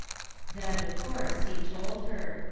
" Then, of course, he told her.